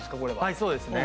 はいそうですね。